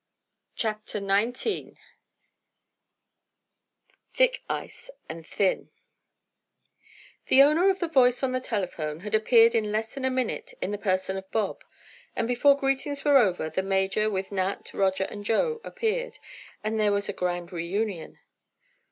CHAPTER XIX THICK ICE AND THIN The owner of the voice on the telephone had appeared in less than a minute in the person of Bob, and before greetings were over the Major, with Nat, Roger and Joe, appeared, and there was a grand reunion.